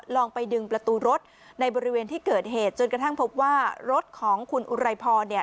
ลองไปดึงประตูรถในบริเวณที่เกิดเหตุจนกระทั่งพบว่ารถของคุณอุไรพรเนี่ย